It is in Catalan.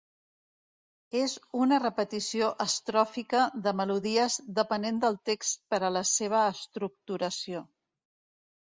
És una repetició estròfica de melodies depenent del text per a la seva estructuració.